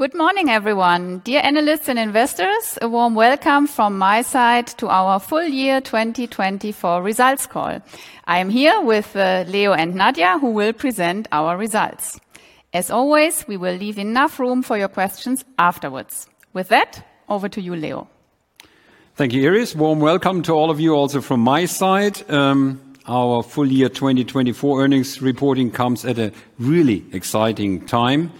Good morning, everyone. Dear analysts and investors, a warm welcome from my side to our full-year 2024 results call. I am here with Leo and Nadia, who will present our results. As always, we will leave enough room for your questions afterwards. With that, over to you, Leo. Thank you, Iris. Warm welcome to all of you also from my side. Our full-year 2024 earnings reporting comes at a really exciting time.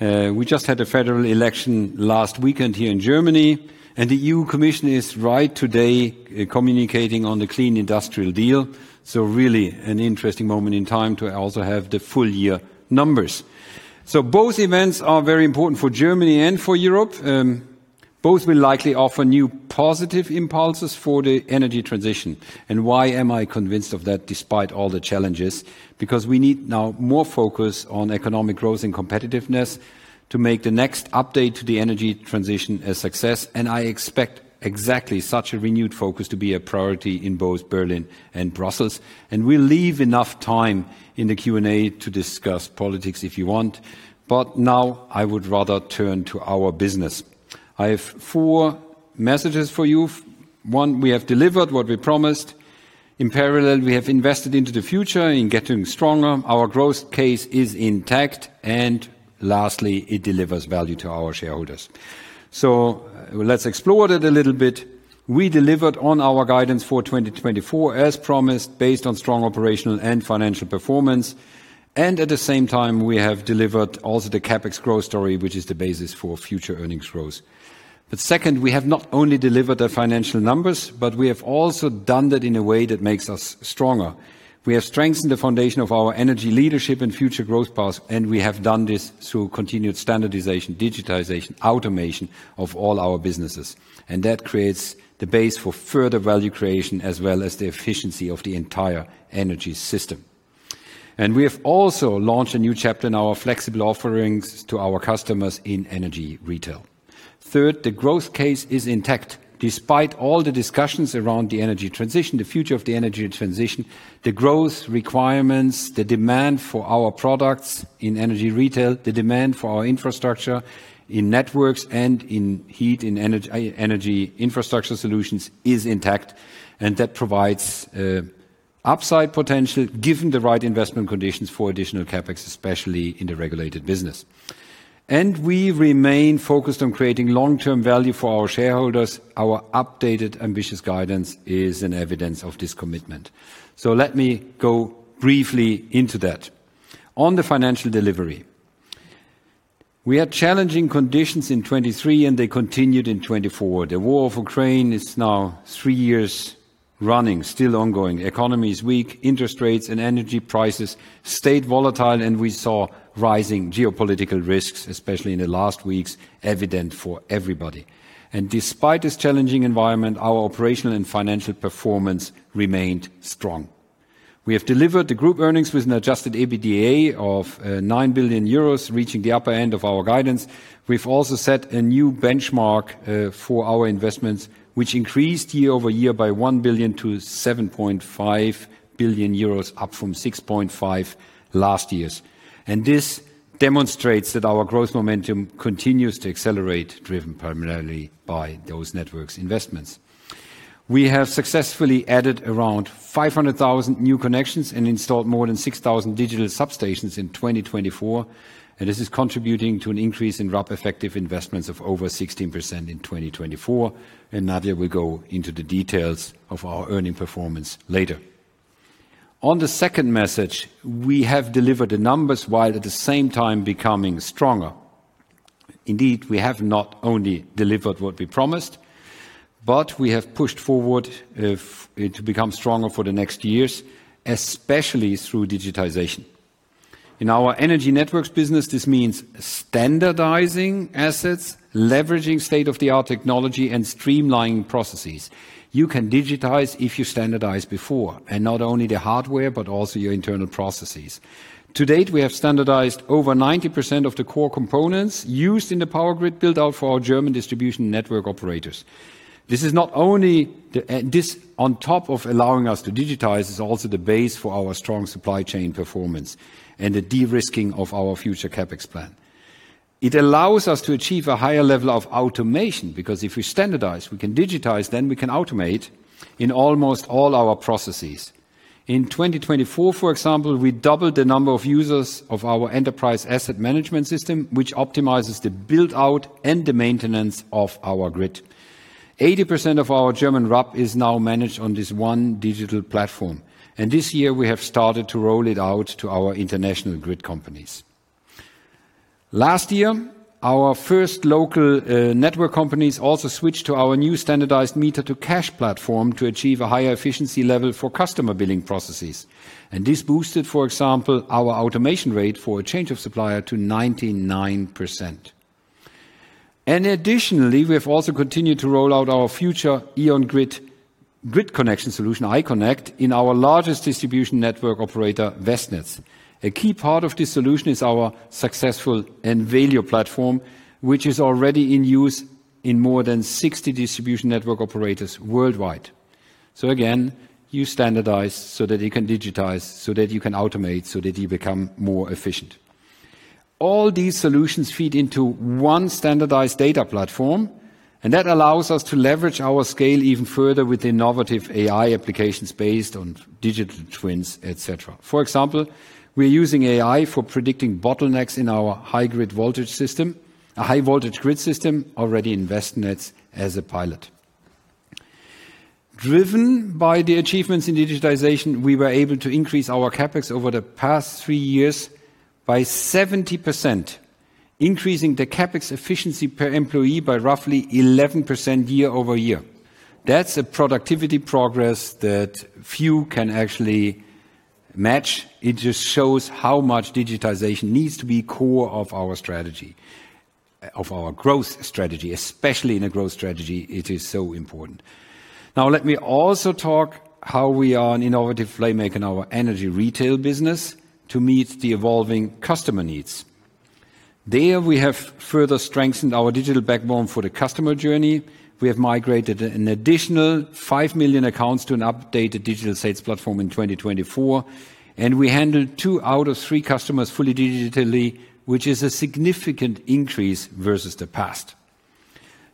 We just had a federal election last weekend here in Germany, and the EU Commission is right today communicating on the Clean Industrial Deal, so really an interesting moment in time to also have the full-year numbers, so both events are very important for Germany and for Europe. Both will likely offer new positive impulses for the energy transition, and why am I convinced of that despite all the challenges? Because we need now more focus on economic growth and competitiveness to make the next update to the energy transition a success, and I expect exactly such a renewed focus to be a priority in both Berlin and Brussels, and we'll leave enough time in the Q&A to discuss politics if you want but now I would rather turn to our business. I have four messages for you. One, we have delivered what we promised. In parallel, we have invested into the future in getting stronger. Our growth case is intact. And lastly, it delivers value to our shareholders. So, let's explore that a little bit. We delivered on our guidance for 2024, as promised, based on strong operational and financial performance. And at the same time, we have delivered also the CapEx growth story, which is the basis for future earnings growth. But second, we have not only delivered the financial numbers, but we have also done that in a way that makes us stronger. We have strengthened the foundation of our energy leadership and future growth path, and we have done this through continued standardization, digitization, automation of all our businesses. And that creates the base for further value creation as well as the efficiency of the entire energy system. And we have also launched a new chapter in our flexible offerings to our customers in energy retail. Third, the growth case is intact. Despite all the discussions around the energy transition, the future of the energy transition, the growth requirements, the demand for our products in energy retail, the demand for our infrastructure in networks and in heat and energy infrastructure solutions is intact. And that provides upside potential given the right investment conditions for additional CapEx, especially in the regulated business. And we remain focused on creating long-term value for our shareholders. Our updated, ambitious guidance is an evidence of this commitment. So, let me go briefly into that. On the financial delivery, we had challenging conditions in 2023, and they continued in 2024. The war of Ukraine is now three years running, still ongoing. The economy is weak, interest rates and energy prices stayed volatile, and we saw rising geopolitical risks, especially in the last weeks, evident for everybody, and despite this challenging environment, our operational and financial performance remained strong. We have delivered the group earnings with an Adjusted EBITDA of 9 billion euros, reaching the upper end of our guidance. We've also set a new benchmark for our investments, which increased year-over-year by 1 billion to 7.5 billion euros, up from 6.5 billion last year, and this demonstrates that our growth momentum continues to accelerate, driven primarily by those networks' investments. We have successfully added around 500,000 new connections and installed more than 6,000 digital substations in 2024, and this is contributing to an increase in RAB effective investments of over 16% in 2024. Nadia will go into the details of our earnings performance later. On the second message, we have delivered the numbers while at the same time becoming stronger. Indeed, we have not only delivered what we promised, but we have pushed forward to become stronger for the next years, especially through digitization. In our energy networks business, this means standardizing assets, leveraging state-of-the-art technology, and streamlining processes. You can digitize if you standardize before, and not only the hardware, but also your internal processes. To date, we have standardized over 90% of the core components used in the power grid build-out for our German distribution network operators. This is not only this on top of allowing us to digitize. It's also the base for our strong supply chain performance and the de-risking of our future CapEx plan. It allows us to achieve a higher level of automation because if we standardize, we can digitize, then we can automate in almost all our processes. In 2024, for example, we doubled the number of users of our enterprise asset management system, which optimizes the build-out and the maintenance of our grid. 80% of our German RUP is now managed on this one digital platform, and this year, we have started to roll it out to our international grid companies. Last year, our first local network companies also switched to our new standardized meter-to-cash platform to achieve a higher efficiency level for customer billing processes, and this boosted, for example, our automation rate for a change of supplier to 99%, and additionally, we have also continued to roll out our future E.ON grid connection solution, iConnect, in our largest distribution network operator, Westnetz. A key part of this solution is our successful Envelio platform, which is already in use in more than 60 distribution network operators worldwide. So again, you standardize so that you can digitize, so that you can automate, so that you become more efficient. All these solutions feed into one standardized data platform, and that allows us to leverage our scale even further with innovative AI applications based on digital twins, etc. For example, we are using AI for predicting bottlenecks in our high-grid voltage system, a high-voltage grid system already in VestNet as a pilot. Driven by the achievements in digitization, we were able to increase our CapEx over the past three years by 70%, increasing the CapEx efficiency per employee by roughly 11% year-over-year. That's a productivity progress that few can actually match. It just shows how much digitization needs to be core of our strategy, of our growth strategy, especially in a growth strategy. It is so important. Now, let me also talk about how we are an innovative playmaker in our energy retail business to meet the evolving customer needs. There, we have further strengthened our digital backbone for the customer journey. We have migrated an additional five million accounts to an updated digital sales platform in 2024, and we handle two out of three customers fully digitally, which is a significant increase versus the past.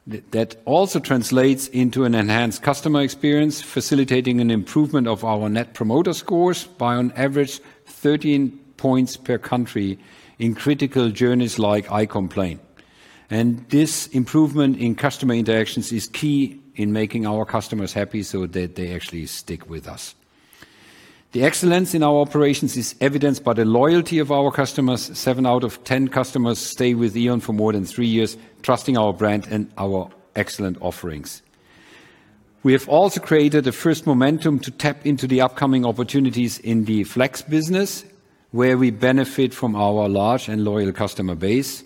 That also translates into an enhanced customer experience, facilitating an improvement of our net promoter scores by on average 13 points per country in critical journeys like iComplain. And this improvement in customer interactions is key in making our customers happy so that they actually stick with us. The excellence in our operations is evidenced by the loyalty of our customers. Seven out of 10 customers stay with E.ON for more than three years, trusting our brand and our excellent offerings. We have also created a first momentum to tap into the upcoming opportunities in the flex business, where we benefit from our large and loyal customer base,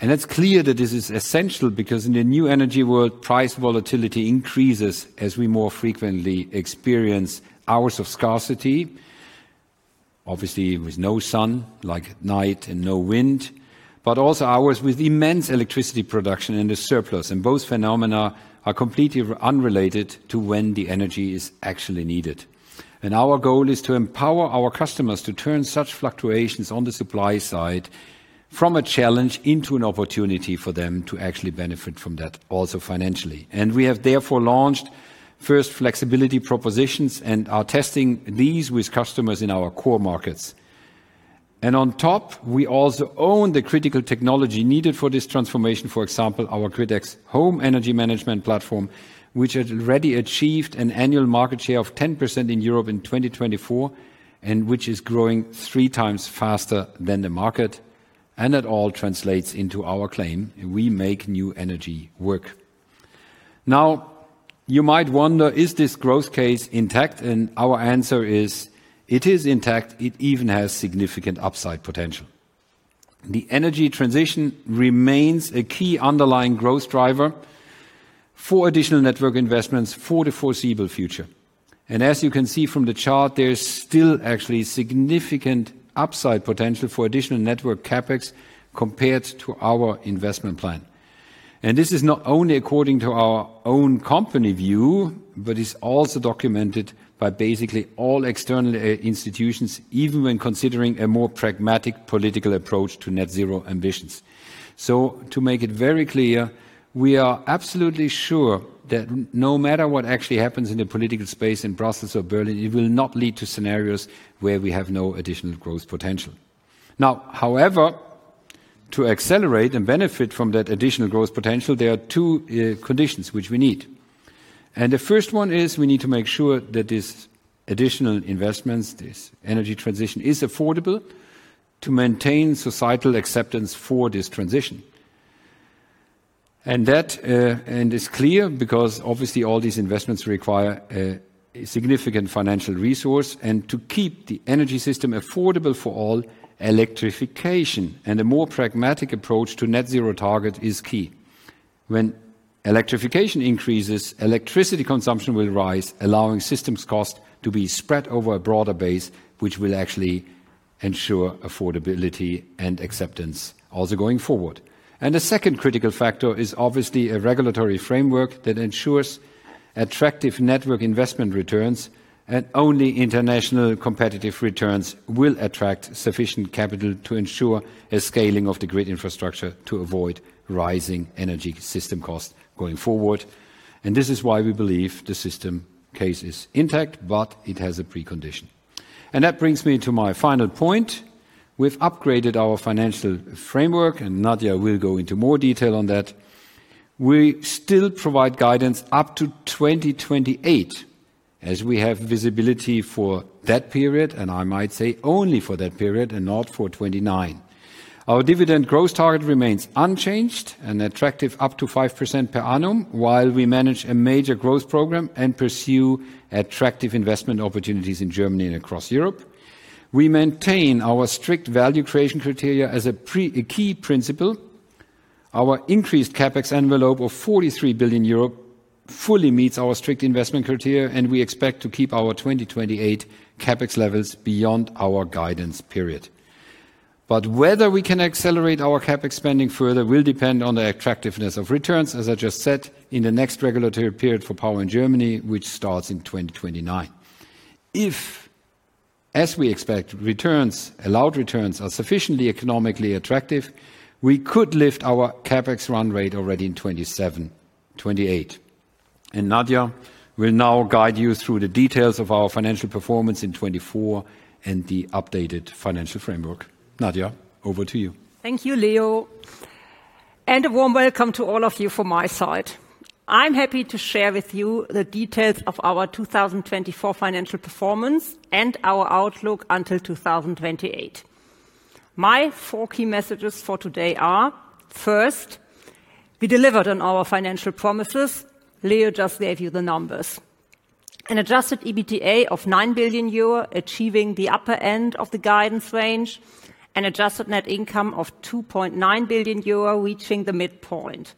and it's clear that this is essential because in the new energy world, price volatility increases as we more frequently experience hours of scarcity, obviously with no sun like at night and no wind, but also hours with immense electricity production and a surplus, and both phenomena are completely unrelated to when the energy is actually needed, and our goal is to empower our customers to turn such fluctuations on the supply side from a challenge into an opportunity for them to actually benefit from that, also financially. And we have therefore launched first flexibility propositions and are testing these with customers in our core markets. And on top, we also own the critical technology needed for this transformation. For example, our gridX Home Energy Management Platform, which had already achieved an annual market share of 10% in Europe in 2024, and which is growing 3x faster than the market. And that all translates into our claim: we make new energy work. Now, you might wonder, is this growth case intact? And our answer is, it is intact. It even has significant upside potential. The energy transition remains a key underlying growth driver for additional network investments for the foreseeable future. And as you can see from the chart, there's still actually significant upside potential for additional network CapEx compared to our investment plan. This is not only according to our own company view, but is also documented by basically all external institutions, even when considering a more pragmatic political approach to Net Zero ambitions. To make it very clear, we are absolutely sure that no matter what actually happens in the political space in Brussels or Berlin, it will not lead to scenarios where we have no additional growth potential. Now, however, to accelerate and benefit from that additional growth potential, there are two conditions which we need. The first one is we need to make sure that this additional investments, this energy transition, is affordable to maintain societal acceptance for this transition. That is clear because obviously all these investments require a significant financial resource and to keep the energy system affordable for all, electrification and a more pragmatic approach to Net Zero target is key. When electrification increases, electricity consumption will rise, allowing systems cost to be spread over a broader base, which will actually ensure affordability and acceptance also going forward. And the second critical factor is obviously a regulatory framework that ensures attractive network investment returns, and only international competitive returns will attract sufficient capital to ensure a scaling of the grid infrastructure to avoid rising energy system costs going forward. And this is why we believe the system case is intact, but it has a precondition. And that brings me to my final point. We've upgraded our financial framework, and Nadia will go into more detail on that. We still provide guidance up to 2028 as we have visibility for that period, and I might say only for that period and not for 2029. Our dividend growth target remains unchanged and attractive up to 5% per annum, while we manage a major growth program and pursue attractive investment opportunities in Germany and across Europe. We maintain our strict value creation criteria as a key principle. Our increased CapEx envelope of 43 billion euro fully meets our strict investment criteria, and we expect to keep our 2028 CapEx levels beyond our guidance period, but whether we can accelerate our CapEx spending further will depend on the attractiveness of returns, as I just said, in the next regulatory period for power in Germany, which starts in 2029. If, as we expect, returns, allowed returns are sufficiently economically attractive, we could lift our CapEx run rate already in 2027, 2028, and Nadia will now guide you through the details of our financial performance in 2024 and the updated financial framework. Nadia, over to you. Thank you, Leo. A warm welcome to all of you from my side. I'm happy to share with you the details of our 2024 financial performance and our outlook until 2028. My four key messages for today are: first, we delivered on our financial promises. Leo just gave you the numbers. An adjusted EBITDA of 9 billion euro, achieving the upper end of the guidance range, an adjusted net income of 2.9 billion euro, reaching the midpoint.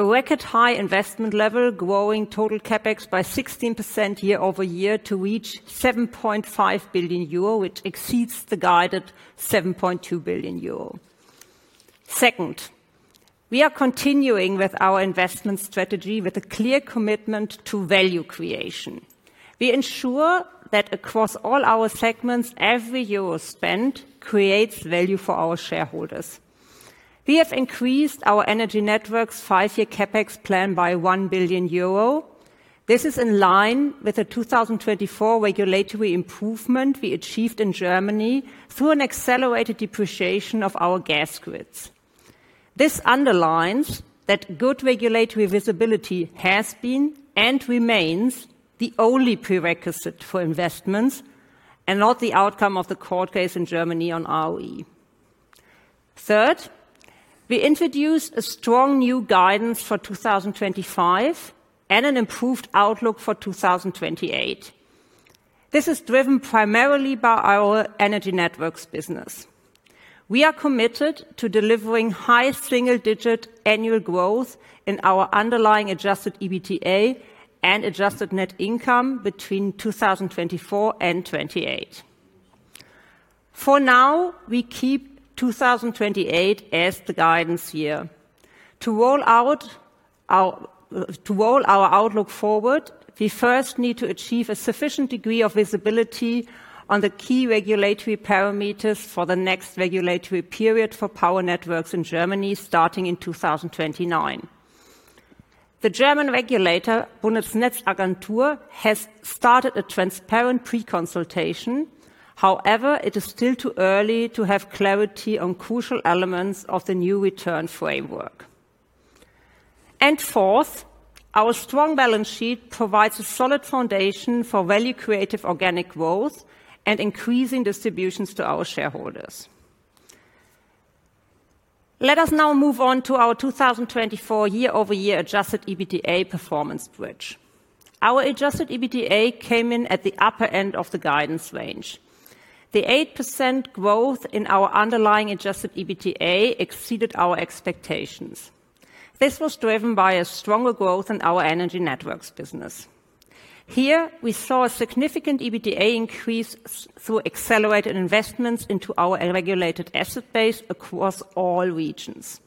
A record high investment level, growing total CapEx by 16% year-over-year to reach 7.5 billion euro, which exceeds the guided 7.2 billion euro. Second, we are continuing with our investment strategy with a clear commitment to value creation. We ensure that across all our segments, every Euro spent creates value for our shareholders. We have increased our energy network's five-year CapEx plan by 1 billion euro. This is in line with the 2024 regulatory improvement we achieved in Germany through an accelerated depreciation of our gas grids. This underlines that good regulatory visibility has been and remains the only prerequisite for investments and not the outcome of the court case in Germany on ROE. Third, we introduced a strong new guidance for 2025 and an improved outlook for 2028. This is driven primarily by our energy networks business. We are committed to delivering high single-digit annual growth in our underlying adjusted EBITDA and adjusted net income between 2024 and 2028. For now, we keep 2028 as the guidance year. To roll out our outlook forward, we first need to achieve a sufficient degree of visibility on the key regulatory parameters for the next regulatory period for power networks in Germany starting in 2029. The German regulator, Bundesnetzagentur, has started a transparent preconsultation. However, it is still too early to have clarity on crucial elements of the new return framework, and fourth, our strong balance sheet provides a solid foundation for value-creative organic growth and increasing distributions to our shareholders. Let us now move on to our 2024 year-over-year adjusted EBITDA performance bridge. Our adjusted EBITDA came in at the upper end of the guidance range. The 8% growth in our underlying adjusted EBITDA exceeded our expectations. This was driven by a stronger growth in our energy networks business. Here, we saw a significant EBITDA increase through accelerated investments into our regulated asset base across all regions.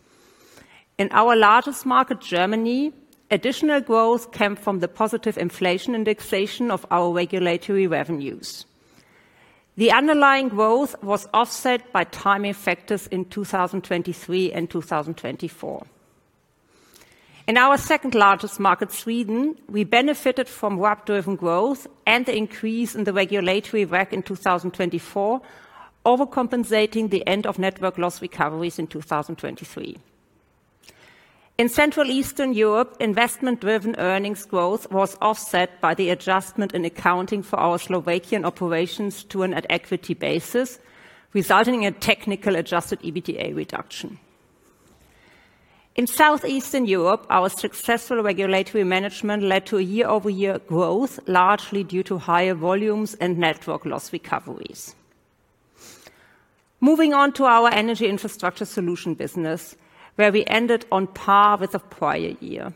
In our largest market, Germany, additional growth came from the positive inflation indexation of our regulatory revenues. The underlying growth was offset by timing factors in 2023 and 2024. In our second largest market, Sweden, we benefited from RAB-driven growth and the increase in the regulatory WACC in 2024, overcompensating the end-of-network loss recoveries in 2023. In Central Eastern Europe, investment-driven earnings growth was offset by the adjustment in accounting for our Slovakian operations to an equity basis, resulting in a technical adjusted EBITDA reduction. In Southeastern Europe, our successful regulatory management led to a year-over-year growth, largely due to higher volumes and network loss recoveries. Moving on to our energy infrastructure solution business, where we ended on par with the prior year.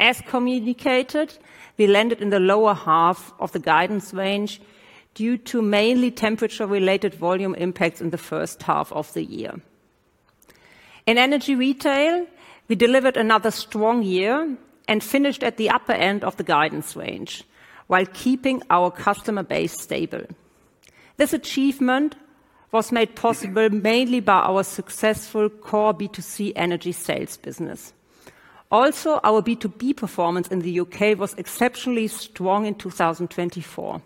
As communicated, we landed in the lower half of the guidance range due to mainly temperature-related volume impacts in the first half of the year. In energy retail, we delivered another strong year and finished at the upper end of the guidance range while keeping our customer base stable. This achievement was made possible mainly by our successful core B2C energy sales business. Also, our B2B performance in the U.K. was exceptionally strong in 2024.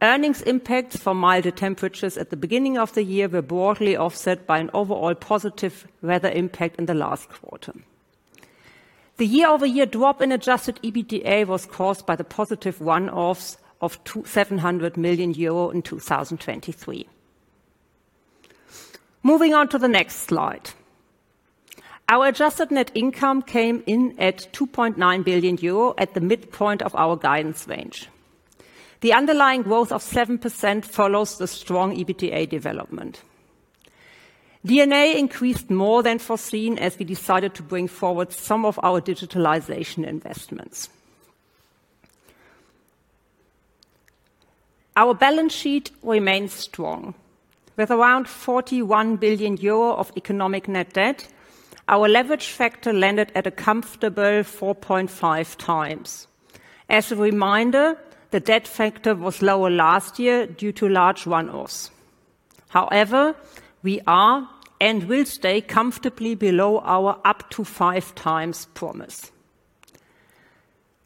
Earnings impacts from milder temperatures at the beginning of the year were broadly offset by an overall positive weather impact in the last quarter. The year-over-year drop in adjusted EBITDA was caused by the positive one-offs of 700 million euro in 2023. Moving on to the next slide. Our adjusted net income came in at 2.9 billion euro at the midpoint of our guidance range. The underlying growth of 7% follows the strong EBITDA development. Net debt increased more than foreseen as we decided to bring forward some of our digitalization investments. Our balance sheet remains strong. With around 41 billion euro of economic net debt, our leverage factor landed at a comfortable 4.5x. As a reminder, the debt factor was lower last year due to large one-offs. However, we are and will stay comfortably below our up to 5x promise.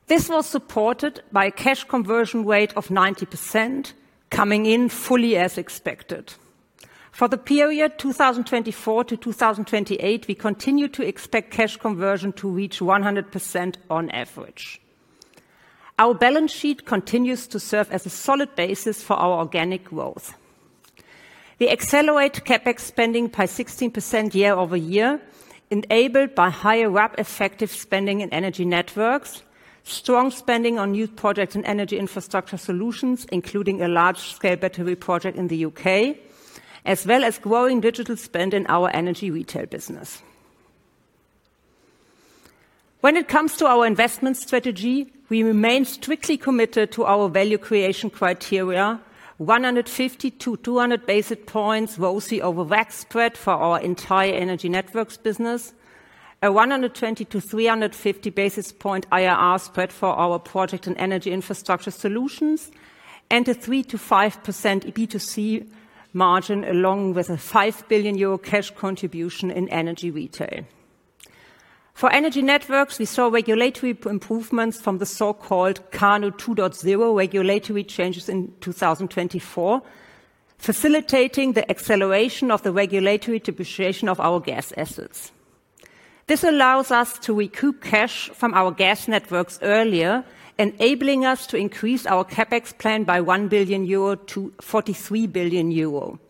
This was supported by a cash conversion rate of 90%, coming in fully as expected. For the period 2024 to 2028, we continue to expect cash conversion to reach 100% on average. Our balance sheet continues to serve as a solid basis for our organic growth. We accelerate CapEx spending by 16% year-over-year, enabled by higher RAB-effective spending in energy networks, strong spending on new projects and energy infrastructure solutions, including a large-scale battery project in the U.K., as well as growing digital spend in our energy retail business. When it comes to our investment strategy, we remain strictly committed to our value creation criteria, 150-200 basis points ROCE over WACC spread for our entire Energy Networks business, a 120-350 basis point IRR spread for our projects and Energy Infrastructure Solutions, and a 3%-5% B2C margin along with a 5 billion euro cash contribution in Energy Retail. For Energy Networks, we saw regulatory improvements from the so-called KANU 2.0 regulatory changes in 2024, facilitating the acceleration of the regulatory depreciation of our gas assets. This allows us to recoup cash from our gas networks earlier, enabling us to increase our CapEx plan by 1 billion euro to 43 billion euro.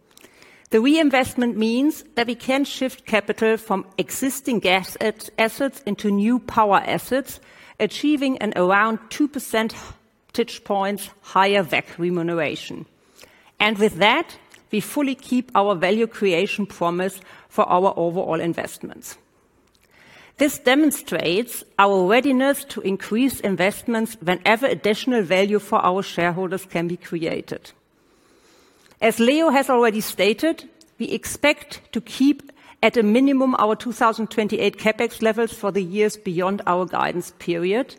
The reinvestment means that we can shift capital from existing gas assets into new power assets, achieving an around 2 percentage points higher WACC remuneration. With that, we fully keep our value creation promise for our overall investments. This demonstrates our readiness to increase investments whenever additional value for our shareholders can be created. As Leo has already stated, we expect to keep at a minimum our 2028 CapEx levels for the years beyond our guidance period.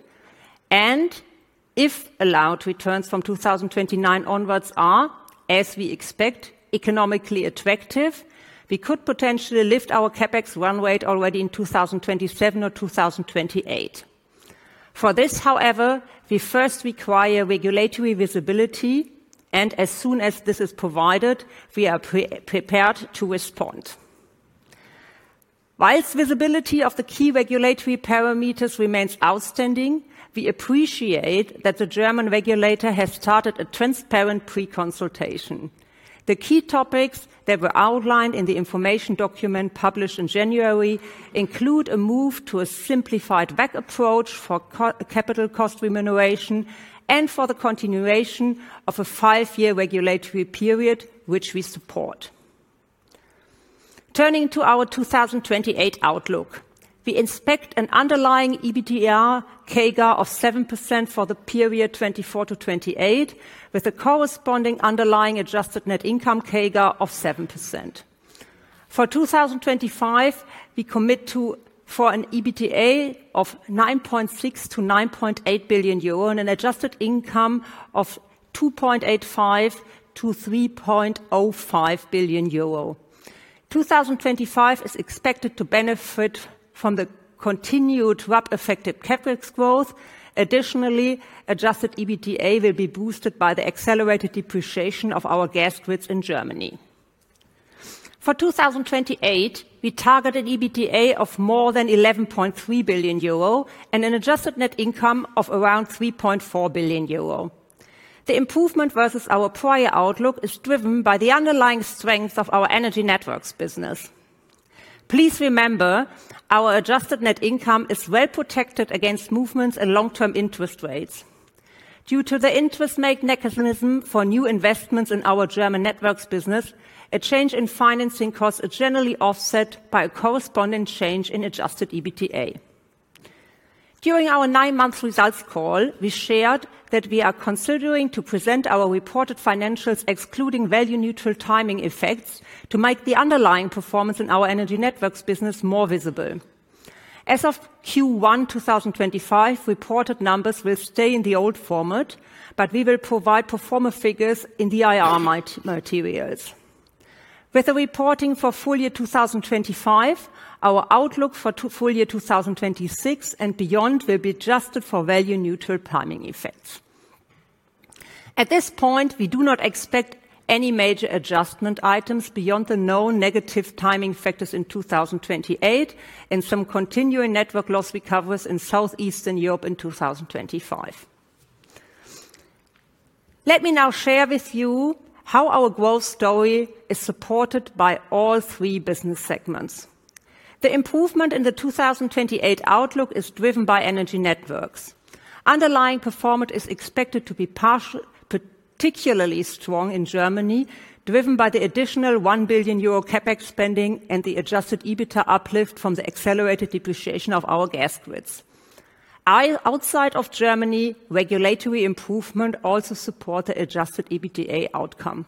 If allowed returns from 2029 onwards are, as we expect, economically attractive, we could potentially lift our CapEx run rate already in 2027 or 2028. For this, however, we first require regulatory visibility, and as soon as this is provided, we are prepared to respond. While visibility of the key regulatory parameters remains outstanding, we appreciate that the German regulator has started a transparent preconsultation. The key topics that were outlined in the information document published in January include a move to a simplified WACC approach for capital cost remuneration and for the continuation of a five-year regulatory period, which we support. Turning to our 2028 outlook, we expect an underlying EBITDA CAGR of 7% for the period 2024 to 2028, with a corresponding underlying adjusted net income CAGR of 7%. For 2025, we commit to an EBITDA of 9.6 billion-9.8 billion euro and an adjusted income of 2.85 billion-3.05 billion euro. 2025 is expected to benefit from the continued RAB-effective CapEx growth. Additionally, adjusted EBITDA will be boosted by the accelerated depreciation of our gas grids in Germany. For 2028, we target an EBITDA of more than 11.3 billion euro and an adjusted net income of around 3.4 billion euro. The improvement versus our prior outlook is driven by the underlying strengths of our energy networks business. Please remember, our adjusted net income is well protected against movements and long-term interest rates. Due to the interest-rate mechanism for new investments in our German networks business, a change in financing costs is generally offset by a corresponding change in adjusted EBITDA. During our nine-month results call, we shared that we are considering to present our reported financials, excluding value-neutral timing effects, to make the underlying performance in our energy networks business more visible. As of Q1 2025, reported numbers will stay in the old format, but we will provide performance figures in the IRR materials. With the reporting for full year 2025, our outlook for full year 2026 and beyond will be adjusted for value-neutral timing effects. At this point, we do not expect any major adjustment items beyond the known negative timing factors in 2028 and some continuing network loss recoveries in Southeastern Europe in 2025. Let me now share with you how our growth story is supported by all three business segments. The improvement in the 2028 outlook is driven by Energy Networks. Underlying performance is expected to be particularly strong in Germany, driven by the additional 1 billion euro CapEx spending and the adjusted EBITDA uplift from the accelerated depreciation of our gas grids. Outside of Germany, regulatory improvement also supports the adjusted EBITDA outcome.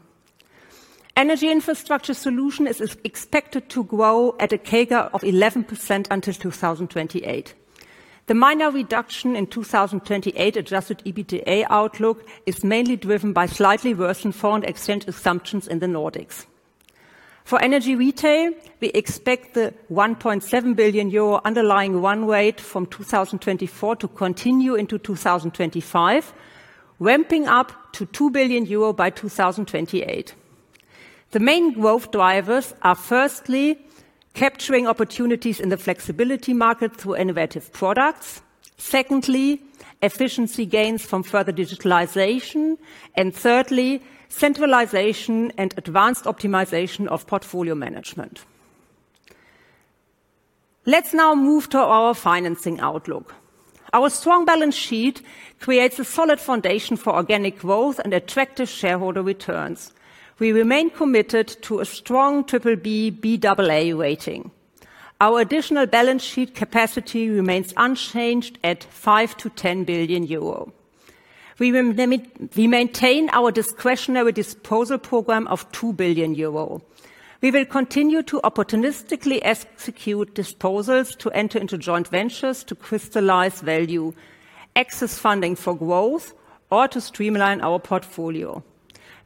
Energy Infrastructure Solutions is expected to grow at a CAGR of 11% until 2028. The minor reduction in 2028 adjusted EBITDA outlook is mainly driven by slightly worsened foreign exchange assumptions in the Nordics. For energy retail, we expect the 1.7 billion euro underlying run rate from 2024 to continue into 2025, ramping up to 2 billion euro by 2028. The main growth drivers are, firstly, capturing opportunities in the flexibility market through innovative products, secondly, efficiency gains from further digitalization, and thirdly, centralization and advanced optimization of portfolio management. Let's now move to our financing outlook. Our strong balance sheet creates a solid foundation for organic growth and attractive shareholder returns. We remain committed to a strong BBB Baa rating. Our additional balance sheet capacity remains unchanged at 5-10 billion euro. We maintain our discretionary disposal program of 2 billion euro. We will continue to opportunistically execute disposals to enter into joint ventures to crystallize value, access funding for growth, or to streamline our portfolio.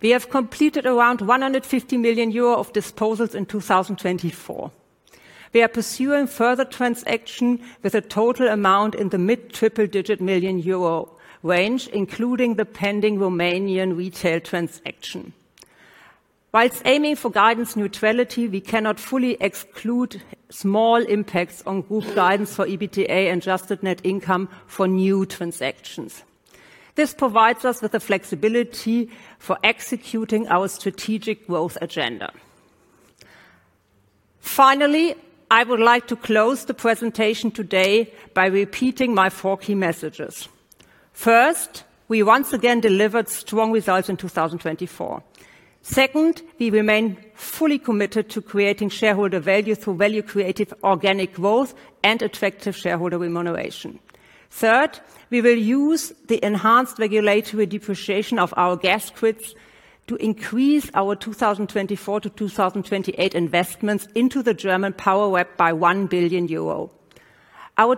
We have completed around 150 million euro of disposals in 2024. We are pursuing further transactions with a total amount in the mid-triple-digit million euro range, including the pending Romanian retail transaction. While aiming for guidance neutrality, we cannot fully exclude small impacts on group guidance for EBITDA and adjusted net income for new transactions. This provides us with the flexibility for executing our strategic growth agenda. Finally, I would like to close the presentation today by repeating my four key messages. First, we once again delivered strong results in 2024. Second, we remain fully committed to creating shareholder value through value-creative organic growth and attractive shareholder remuneration. Third, we will use the enhanced regulatory depreciation of our gas grids to increase our 2024 to 2028 investments into the German power web by 1 billion euro. Our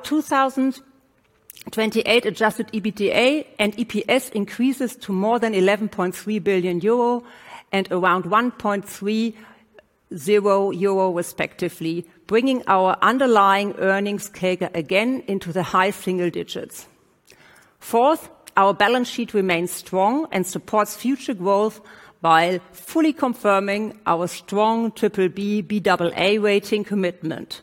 2028 adjusted EBITDA and EPS increases to more than 11.3 billion euro and around 1.30 euro respectively, bringing our underlying earnings CAGR again into the high single digits. Fourth, our balance sheet remains strong and supports future growth while fully confirming our strong BBB Baa rating commitment.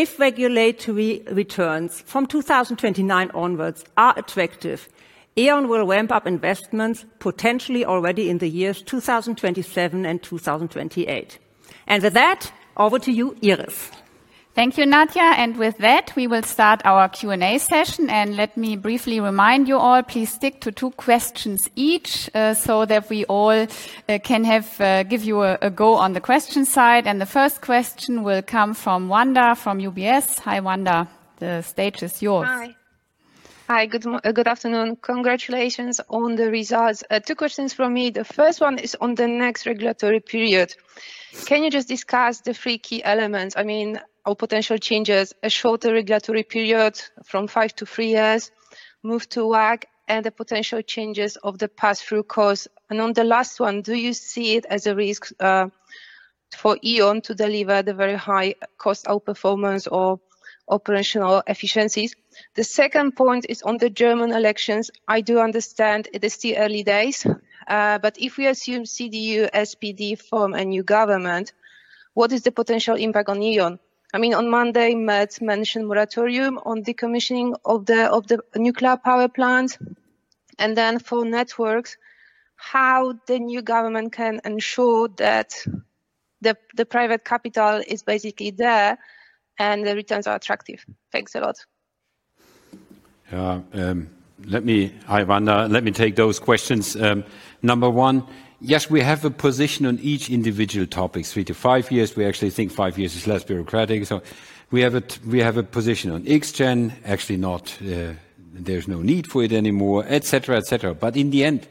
If regulatory returns from 2029 onwards are attractive, E.ON will ramp up investments potentially already in the years 2027 and 2028. And with that, over to you, Iris. Thank you, Nadia. And with that, we will start our Q&A session. And let me briefly remind you all, please stick to two questions each so that we all can give you a go on the question side. And the first question will come from Wanda from UBS. Hi, Wanda. The stage is yours. Hi. Good afternoon. Congratulations on the results. Two questions for me. The first one is on the next regulatory period. Can you just discuss the three key elements? I mean, our potential changes, a shorter regulatory period from five to three years, move to WACC, and the potential changes of the pass-through costs. And on the last one, do you see it as a risk for E.ON to deliver the very high cost outperformance or operational efficiencies? The second point is on the German elections. I do understand it is still early days, but if we assume CDU SPD form a new government, what is the potential impact on E.ON? I mean, on Monday, Merz mentioned moratorium on decommissioning of the nuclear power plants. And then for networks, how the new government can ensure that the private capital is basically there and the returns are attractive. Thanks a lot. Yeah. Let me, hi Wanda. Let me take those questions. Number one, yes, we have a position on each individual topic. Three to five years, we actually think five years is less bureaucratic. So we have a position on X-gen, actually not, there's no need for it anymore, etc. But in the end,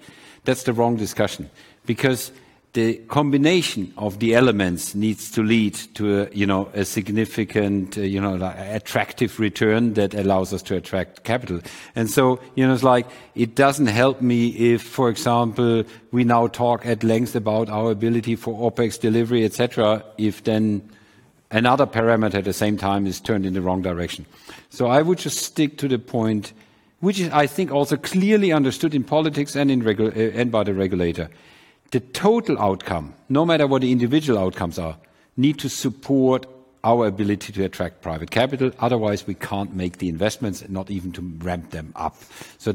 that's the wrong discussion because the combination of the elements needs to lead to a significant, attractive return that allows us to attract capital. And so it's like it doesn't help me if, for example, we now talk at length about our ability for OpEx delivery, et cetera, if then another parameter at the same time is turned in the wrong direction. So I would just stick to the point, which I think also clearly understood in politics and by the regulator. The total outcome, no matter what the individual outcomes are, need to support our ability to attract private capital. Otherwise, we can't make the investments, not even to ramp them up. So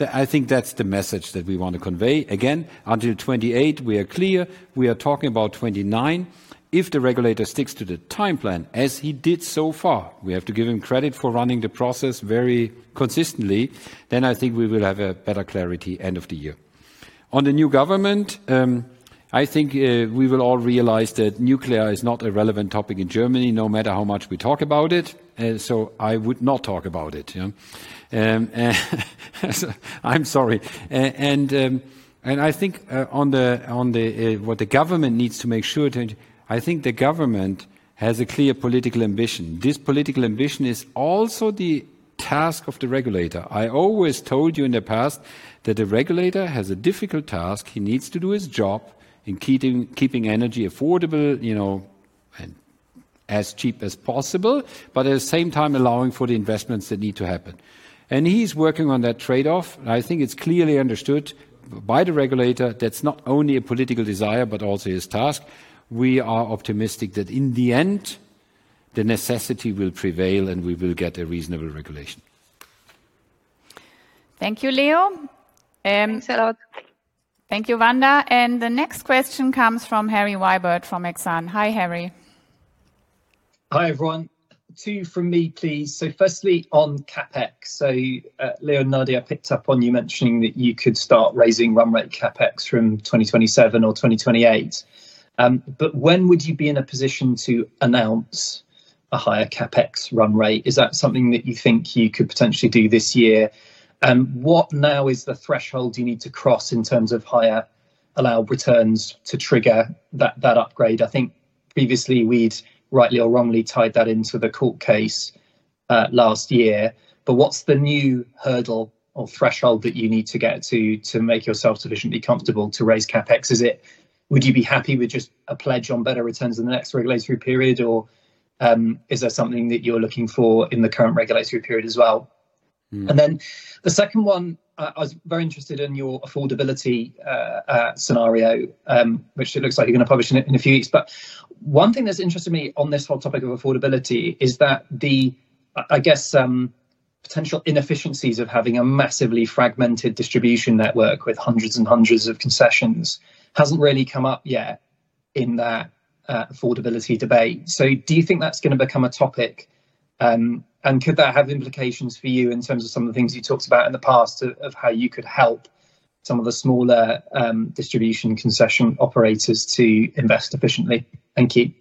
I think that's the message that we want to convey. Again, until 2028, we are clear. We are talking about 2029. If the regulator sticks to the timeline as he did so far, we have to give him credit for running the process very consistently. Then I think we will have a better clarity end of the year. On the new government, I think we will all realize that nuclear is not a relevant topic in Germany, no matter how much we talk about it, so I would not talk about it. I'm sorry, and I think on what the government needs to make sure. I think the government has a clear political ambition. This political ambition is also the task of the regulator. I always told you in the past that the regulator has a difficult task. He needs to do his job in keeping energy affordable and as cheap as possible, but at the same time allowing for the investments that need to happen. He's working on that trade-off. I think it's clearly understood by the regulator that's not only a political desire, but also his task. We are optimistic that in the end, the necessity will prevail and we will get a reasonable regulation. Thank you, Leo. Thanks a lot. Thank you, Wanda. The next question comes from Harry Wyburd from Exane. Hi, Harry. Hi, everyone. Two from me, please. Firstly on CapEx. Leo and Nadia picked up on you mentioning that you could start raising run rate CapEx from 2027 or 2028. But when would you be in a position to announce a higher CapEx run rate? Is that something that you think you could potentially do this year? What now is the threshold you need to cross in terms of higher allowed returns to trigger that upgrade? I think previously we'd rightly or wrongly tied that into the court case last year. What's the new hurdle or threshold that you need to get to to make yourself sufficiently comfortable to raise CapEx? Would you be happy with just a pledge on better returns in the next regulatory period, or is there something that you're looking for in the current regulatory period as well? Then the second one, I was very interested in your affordability scenario, which it looks like you're going to publish in a few weeks. But one thing that's interested me on this whole topic of affordability is that the, I guess, potential inefficiencies of having a massively fragmented distribution network with hundreds and hundreds of concessions hasn't really come up yet in that affordability debate. So do you think that's going to become a topic? And could that have implications for you in terms of some of the things you talked about in the past of how you could help some of the smaller distribution concession operators to invest efficiently and keep?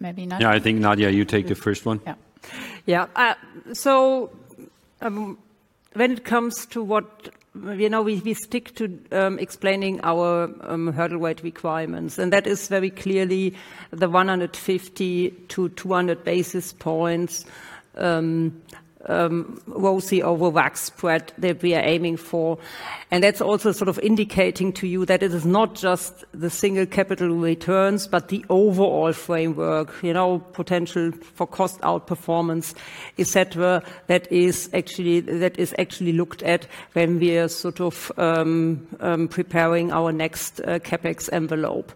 Yeah, I think Nadia, you take the first one. Yeah. So when it comes to what we stick to explaining our hurdle weight requirements, and that is very clearly the 150-200 basis points ROCE over WACC spread that we are aiming for. That's also sort of indicating to you that it is not just the single capital returns, but the overall framework, potential for cost outperformance, etc., that is actually looked at when we are sort of preparing our next CapEx envelope.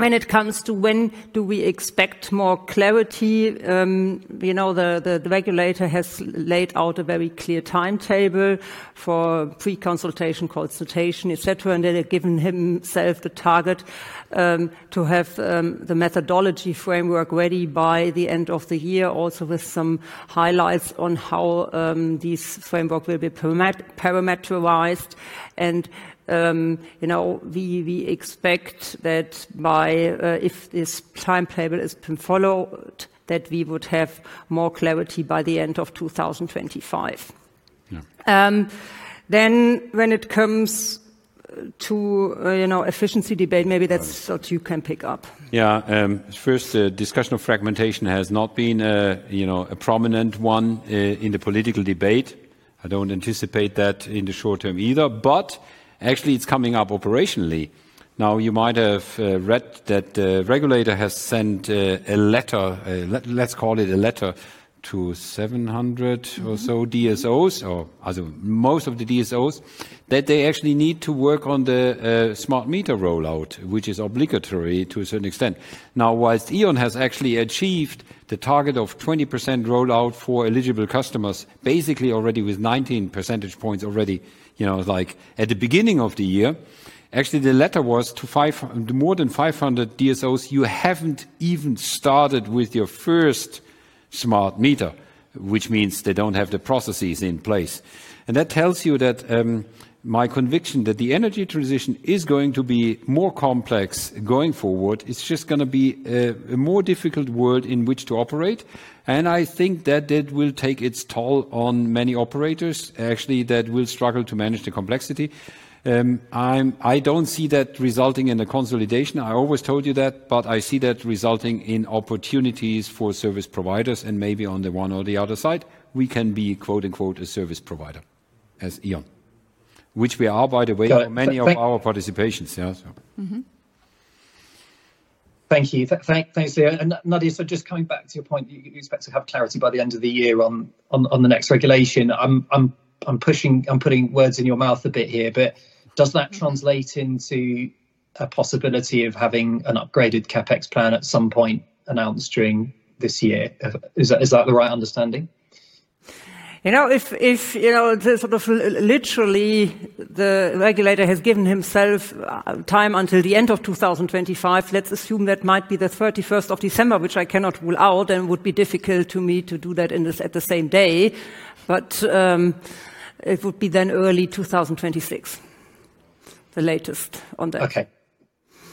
When it comes to when do we expect more clarity, the regulator has laid out a very clear timetable for pre-consultation consultation, etc., and then given himself the target to have the methodology framework ready by the end of the year, also with some highlights on how this framework will be parameterized. We expect that if this timetable is followed, that we would have more clarity by the end of 2025. When it comes to efficiency debate, maybe that's what you can pick up. Yeah. First, the discussion of fragmentation has not been a prominent one in the political debate. I don't anticipate that in the short-term either, but actually it's coming up operationally. Now, you might have read that the regulator has sent a letter, let's call it a letter to 700 or so DSOs or most of the DSOs, that they actually need to work on the smart meter rollout, which is obligatory to a certain extent. Now, whilst E.ON has actually achieved the target of 20% rollout for eligible customers, basically already with 19 percentage points already at the beginning of the year, actually the letter was to more than 500 DSOs. You haven't even started with your first smart meter, which means they don't have the processes in place, and that tells you that my conviction that the energy transition is going to be more complex going forward. It's just going to be a more difficult world in which to operate. I think that that will take its toll on many operators, actually, that will struggle to manage the complexity. I don't see that resulting in a consolidation. I always told you that, but I see that resulting in opportunities for service providers and maybe on the one or the other side, we can be "a service provider" as E.ON, which we are, by the way, for many of our participations. Thank you. Thanks, Leo. And Nadia, so just coming back to your point, you expect to have clarity by the end of the year on the next regulation. I'm putting words in your mouth a bit here, but does that translate into a possibility of having an upgraded CapEx plan at some point announced during this year? Is that the right understanding? If sort of literally the regulator has given himself time until the end of 2025, let's assume that might be the 31st of December, which I cannot rule out and would be difficult to me to do that at the same day. But it would be then early 2026, the latest on that. Okay.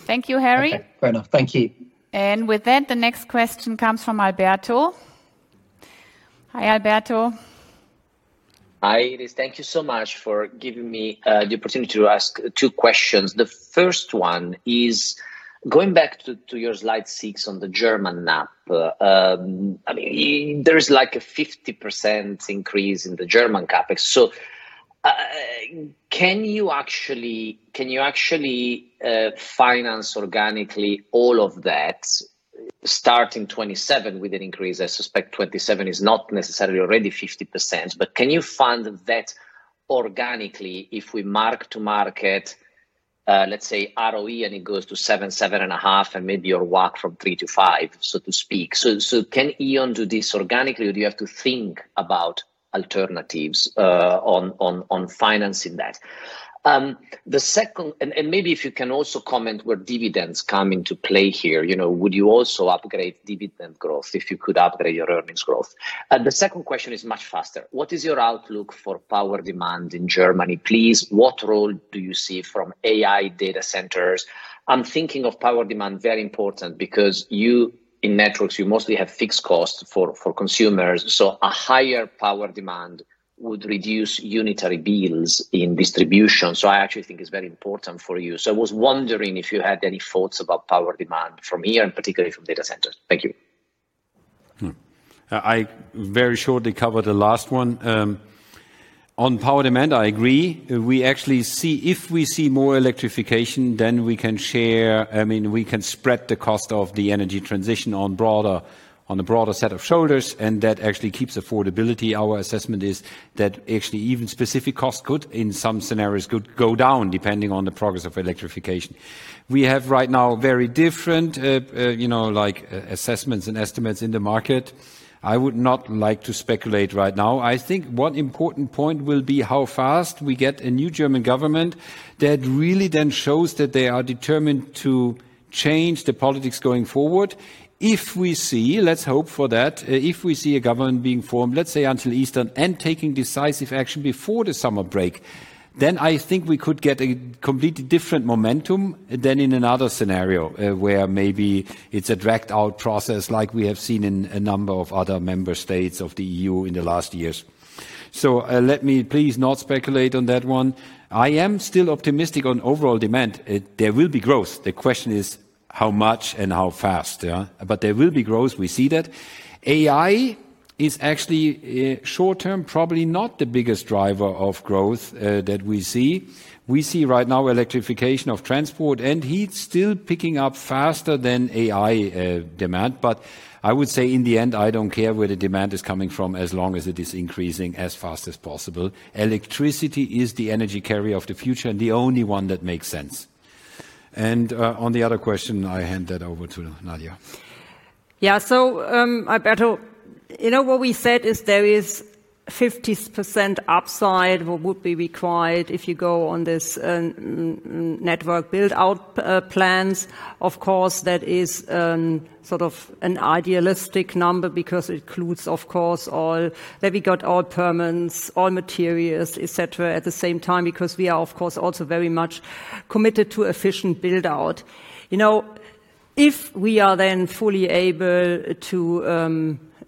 Thank you, Harry. Fair enough. Thank you. And with that, the next question comes from Alberto. Hi, Alberto. Hi, Iris. Thank you so much for giving me the opportunity to ask two questions. The first one is going back to your slide six on the German NAP. There is like a 50% increase in the German CapEx. So can you actually finance organically all of that starting 2027 with an increase? I suspect 2027 is not necessarily already 50%, but can you fund that organically if we mark to market, let's say ROE and it goes to 7%, 7.5%, and maybe your WACC from three to five, so to speak? So can EON do this organically, or do you have to think about alternatives on financing that? And maybe if you can also comment where dividends come into play here, would you also upgrade dividend growth if you could upgrade your earnings growth? The second question is much faster. What is your outlook for power demand in Germany? Please, what role do you see from AI data centers? I'm thinking of power demand, very important because in networks, you mostly have fixed costs for consumers. So a higher power demand would reduce unitary bills in distribution. So I actually think it's very important for you. I was wondering if you had any thoughts about power demand from E.ON, particularly from data centers. Thank you. I very shortly covered the last one. On power demand, I agree. If we see more electrification, then we can share, I mean, we can spread the cost of the energy transition on a broader set of shoulders, and that actually keeps affordability. Our assessment is that actually even specific costs could, in some scenarios, go down depending on the progress of electrification. We have right now very different assessments and estimates in the market. I would not like to speculate right now. I think one important point will be how fast we get a new German government that really then shows that they are determined to change the politics going forward. If we see, let's hope for that, if we see a government being formed, let's say until Easter, and taking decisive action before the summer break, then I think we could get a completely different momentum than in another scenario where maybe it's a dragged-out process like we have seen in a number of other member states of the EU in the last years. So let me please not speculate on that one. I am still optimistic on overall demand. There will be growth. The question is how much and how fast, but there will be growth. We see that. AI is actually short-term, probably not the biggest driver of growth that we see. We see right now electrification of transport and heat still picking up faster than AI demand. But I would say in the end, I don't care where the demand is coming from as long as it is increasing as fast as possible. Electricity is the energy carrier of the future and the only one that makes sense. And on the other question, I hand that over to Nadia. Yeah. So Alberto, you know what we said is there is 50% upside what would be required if you go on this network build-out plans. Of course, that is sort of an idealistic number because it includes, of course, all that we got all permits, all materials, etc., at the same time because we are, of course, also very much committed to efficient build-out. If we are then fully able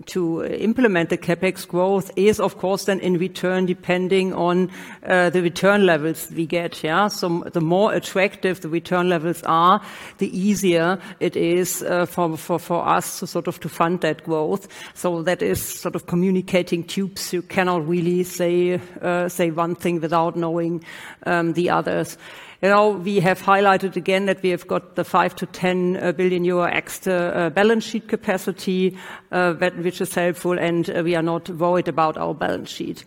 to implement the CapEx growth is, of course, then in return depending on the return levels we get. The more attractive the return levels are, the easier it is for us to sort of fund that growth. That is sort of communicating to us. You cannot really say one thing without knowing the others. We have highlighted again that we have got the 5 billion-10 billion euro extra balance sheet capacity, which is helpful, and we are not worried about our balance sheet.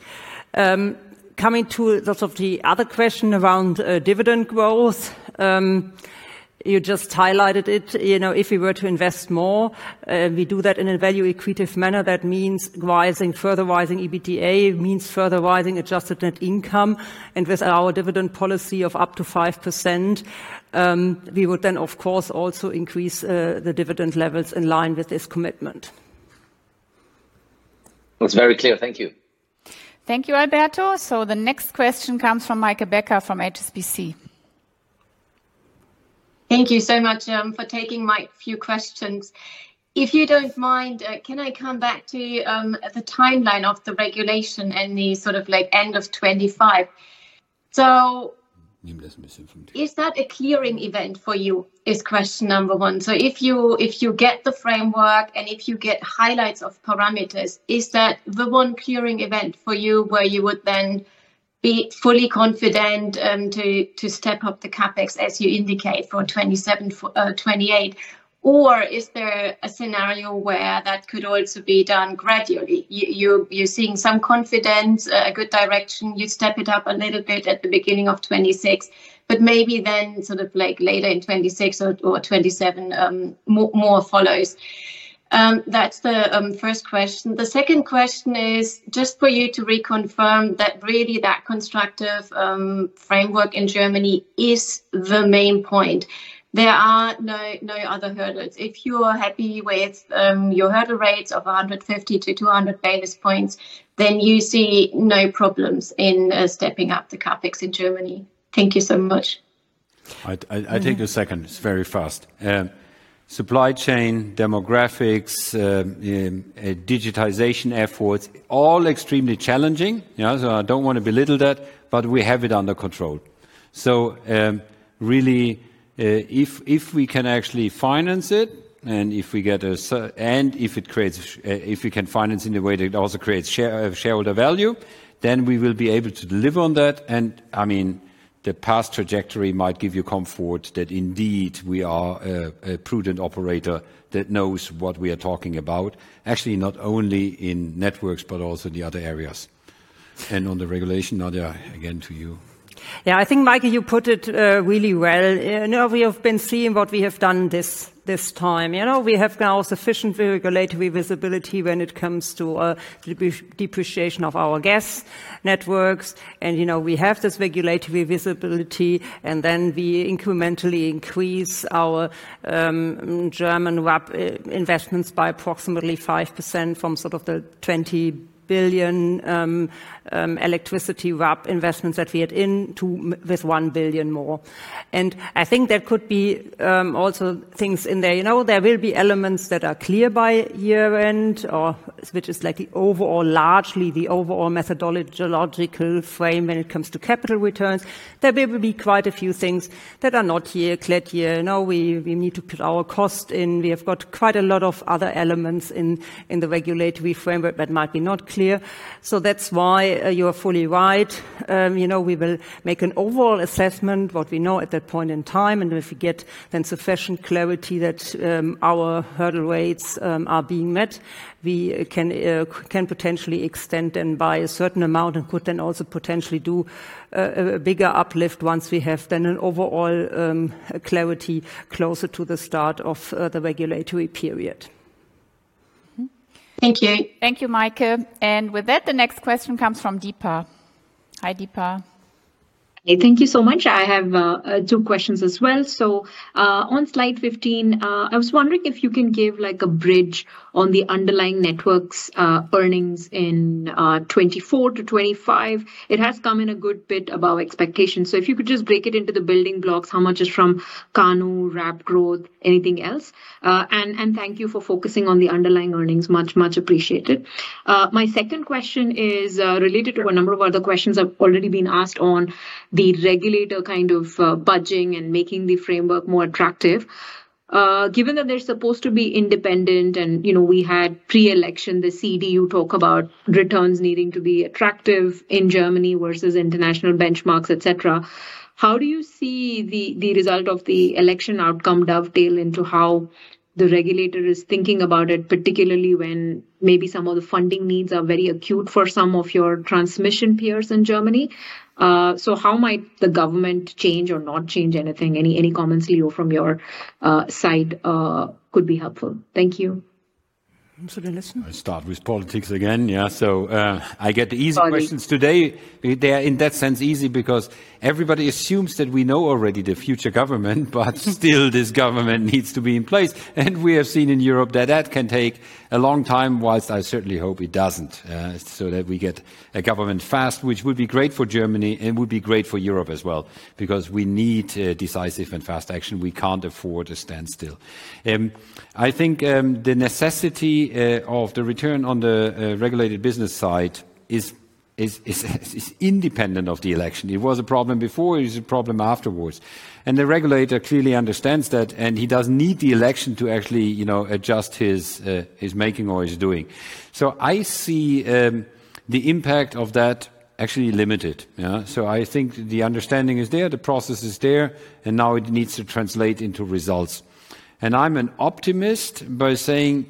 Coming to sort of the other question around dividend growth, you just highlighted it. If we were to invest more, we do that in a value-accretive manner. That means further rising EBITDA means further rising adjusted net income. With our dividend policy of up to 5%, we would then, of course, also increase the dividend levels in line with this commitment. That's very clear. Thank you. Thank you, Alberto. The next question comes from Meike Becker from HSBC. Thank you so much for taking my few questions. If you don't mind, can I come back to the timeline of the regulation and the sort of end of 2025? So, is that a clearing event for you? Is question number one. So, if you get the framework and if you get highlights of parameters, is that the one clearing event for you where you would then be fully confident to step up the CapEx as you indicate for 2027, 2028? Or is there a scenario where that could also be done gradually? You're seeing some confidence, a good direction. You step it up a little bit at the beginning of 2026, but maybe then sort of later in 2026 or 2027 more follows. That's the first question. The second question is just for you to reconfirm that really that constructive framework in Germany is the main point. There are no other hurdles. If you are happy with your hurdle rates of 150-200 basis points, then you see no problems in stepping up the CapEx in Germany. Thank you so much. I take a second. It's very fast. Supply chain, demographics, digitization efforts, all extremely challenging. So I don't want to belittle that, but we have it under control. So really, if we can actually finance it and if we can finance in a way that also creates shareholder value, then we will be able to deliver on that. And I mean, the past trajectory might give you comfort that indeed we are a prudent operator that knows what we are talking about, actually not only in networks, but also in the other areas. And on the regulation, Nadia, again to you. Yeah, I think, Meike, you put it really well. We have been seeing what we have done this time. We have now sufficient regulatory visibility when it comes to depreciation of our gas networks, and we have this regulatory visibility, and then we incrementally increase our German WEP investments by approximately 5% from sort of the 20 billion electricity WEP investments that we had in with 1 billion more. And I think there could be also things in there. There will be elements that are clear by year-end, which is overall largely the overall methodological frame when it comes to capital returns. There will be quite a few things that are not clear here. We need to put our cost in. We have got quite a lot of other elements in the regulatory framework that might be not clear. So that's why you are fully right. We will make an overall assessment of what we know at that point in time, and if we get then sufficient clarity that our hurdle rates are being met, we can potentially extend then by a certain amount and could then also potentially do a bigger uplift once we have then an overall clarity closer to the start of the regulatory period. Thank you. Thank you, Meike, and with that, the next question comes from Deepa. Hi, Deepa. Thank you so much. I have two questions as well, so on slide 15, I was wondering if you can give a bridge on the underlying networks earnings in 2024 to 2025. It has come in a good bit above expectations. So if you could just break it into the building blocks, how much is from KANU, RAB growth, anything else, and thank you for focusing on the underlying earnings. Much, much appreciated. My second question is related to a number of other questions I've already been asked on the regulator kind of budging and making the framework more attractive. Given that they're supposed to be independent and we had pre-election, the CDU talk about returns needing to be attractive in Germany versus international benchmarks, etc., how do you see the result of the election outcome dovetail into how the regulator is thinking about it, particularly when maybe some of the funding needs are very acute for some of your transmission peers in Germany? So how might the government change or not change anything? Any comments, Leo, from your side could be helpful. Thank you. I'm sorry to listen. I start with politics again. Yeah. So I get the easy questions today. They are in that sense easy because everybody assumes that we know already the future government, but still this government needs to be in place. And we have seen in Europe that that can take a long time, while I certainly hope it doesn't, so that we get a government fast, which would be great for Germany and would be great for Europe as well because we need decisive and fast action. We can't afford a standstill. I think the necessity of the return on the regulated business side is independent of the election. It was a problem before. It is a problem afterwards. And the regulator clearly understands that, and he doesn't need the election to actually adjust his making or his doing. So I see the impact of that actually limited. So I think the understanding is there. The process is there, and now it needs to translate into results, and I'm an optimist by saying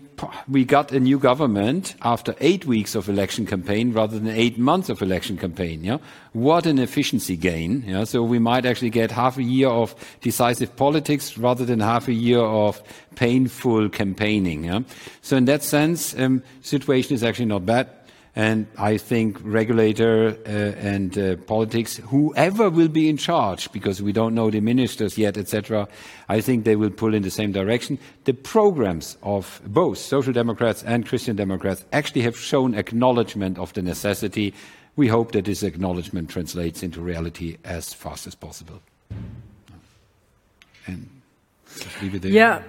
we got a new government after eight weeks of election campaign rather than eight months of election campaign. What an efficiency gain, so we might actually get half a year of decisive politics rather than half a year of painful campaigning, so in that sense, the situation is actually not bad. And I think regulator and politics, whoever will be in charge because we don't know the ministers yet, etc., I think they will pull in the same direction. The programs of both Social Democrats and Christian Democrats actually have shown acknowledgment of the necessity. We hope that this acknowledgment translates into reality as fast as possible, and just leave it there.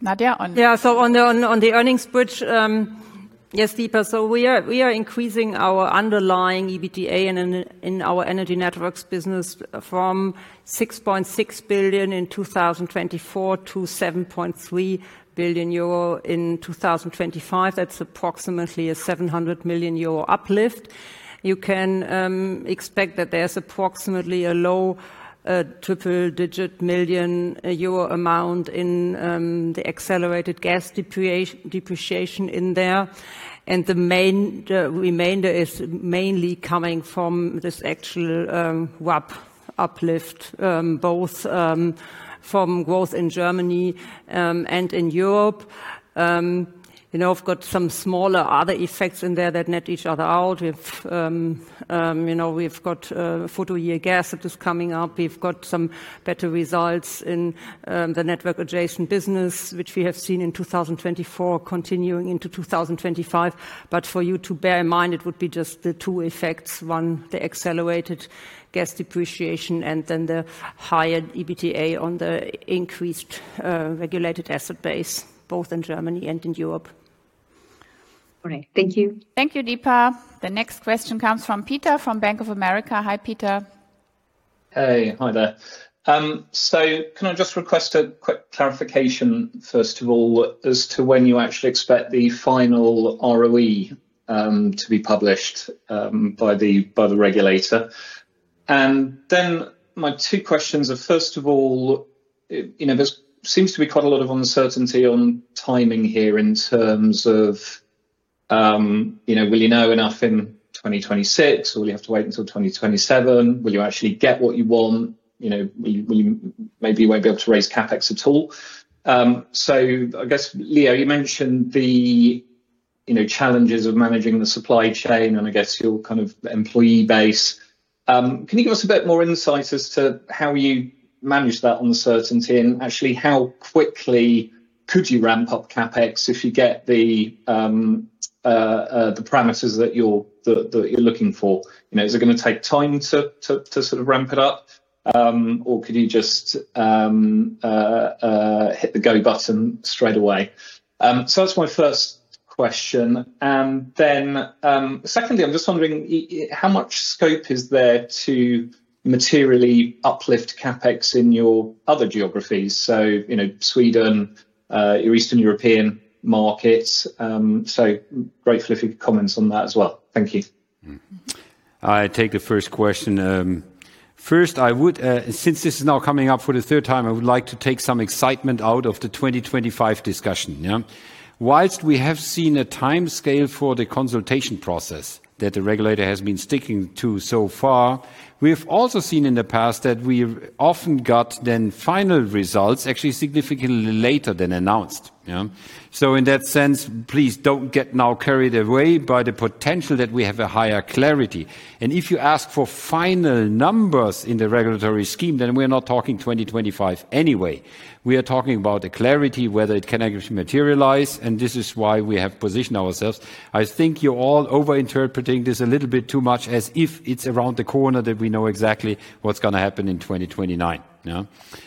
Nadia? Yeah. So on the earnings bridge, yes, Deepa. We are increasing our underlying EBITDA in our energy networks business from 6.6 billion in 2024 to 7.3 billion euro in 2025. That's approximately a 700 million euro uplift. You can expect that there's approximately a low triple-digit million EUR amount in the accelerated gas depreciation in there. The remainder is mainly coming from this actual RAB uplift, both from growth in Germany and in Europe. We've got some smaller other effects in there that net each other out. We've got prior-year gas that is coming up. We've got some better results in the network-adjacent business, which we have seen in 2024 continuing into 2025. For you to bear in mind, it would be just the two effects. One, the accelerated gas depreciation, and then the higher EBITDA on the increased regulated asset base, both in Germany and in Europe. All right. Thank you. Thank you, Deepa. The next question comes from Peter from Bank of America. Hi, Peter. Hey, hi there. So can I just request a quick clarification, first of all, as to when you actually expect the final ROE to be published by the regulator? And then my two questions are, first of all, there seems to be quite a lot of uncertainty on timing here in terms of, will you know enough in 2026? Will you have to wait until 2027? Will you actually get what you want? Maybe you won't be able to raise CapEx at all. So I guess, Leo, you mentioned the challenges of managing the supply chain and I guess your kind of employee base. Can you give us a bit more insight as to how you manage that uncertainty and actually how quickly could you ramp up CapEx if you get the parameters that you're looking for? Is it going to take time to sort of ramp it up, or could you just hit the go button straight away? So that's my first question. And then secondly, I'm just wondering, how much scope is there to materially uplift CapEx in your other geographies? So Sweden, your Eastern European markets. So grateful if you could comment on that as well. Thank you. I take the first question. First, since this is now coming up for the third time, I would like to take some excitement out of the 2025 discussion. While we have seen a timescale for the consultation process that the regulator has been sticking to so far, we have also seen in the past that we often got the final results actually significantly later than announced. So in that sense, please don't get carried away now by the potential that we have a higher clarity. And if you ask for final numbers in the regulatory scheme, then we're not talking 2025 anyway. We are talking about the clarity, whether it can actually materialize. And this is why we have positioned ourselves. I think you're all over-interpreting this a little bit too much as if it's around the corner that we know exactly what's going to happen in 2029.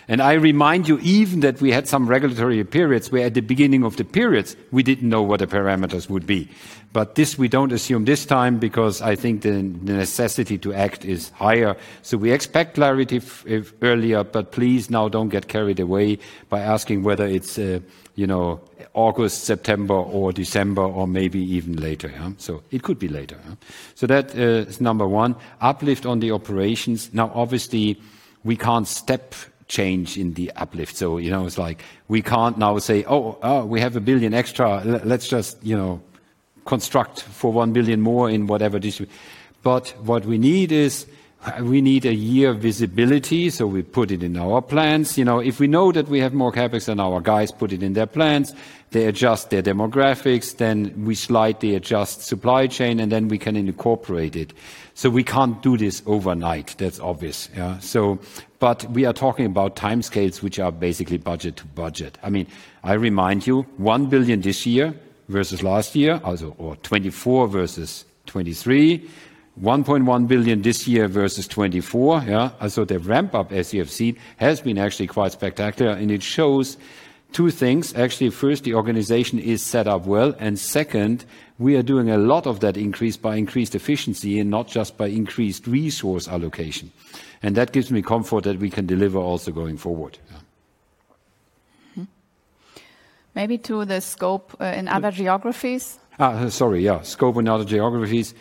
And I remind you even that we had some regulatory periods where at the beginning of the periods, we didn't know what the parameters would be. but this we don't assume this time because I think the necessity to act is higher. So we expect clarity earlier, but please now don't get carried away by asking whether it's August, September, or December, or maybe even later. So it could be later. so that is number one. Uplift on the operations. Now, obviously, we can't step change in the uplift. So it's like we can't now say, "Oh, we have a billion extra. Let's just construct for 1 billion more in whatever district." But what we need is we need a year visibility. So we put it in our plans. If we know that we have more CapEx than our guys put it in their plans, they adjust their demographics, then we slightly adjust supply chain, and then we can incorporate it. So we can't do this overnight. That's obvious. But we are talking about timescales, which are basically budget to budget. I mean, I remind you, 1 billion this year versus last year, or 2024 versus 2023, 1.1 billion this year versus 2024. So the ramp-up, as you have seen, has been actually quite spectacular. And it shows two things. Actually, first, the organization is set up well. And second, we are doing a lot of that increase by increased efficiency and not just by increased resource allocation. And that gives me comfort that we can deliver also going forward. Maybe to the scope in other geographies? Sorry, yeah. Scope in other geographies.